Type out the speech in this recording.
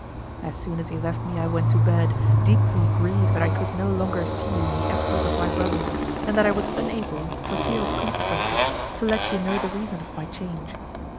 As soon as he left me I went to bed, deeply grieved that I could no longer see you in the absence of my brother, and that I was unable, for fear of consequences, to let you know the reason of my change.